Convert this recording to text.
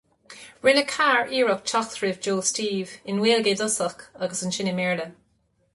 Rinne Carr iarracht teacht roimh Joe Steve, i nGaeilge i dtosach agus ansin i mBéarla.